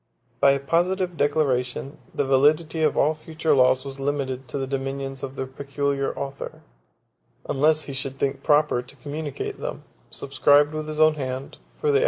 By a positive declaration, the validity of all future laws was limited to the dominions of their peculiar author; unless he should think proper to communicate them, subscribed with his own hand, for the approbation of his independent colleague.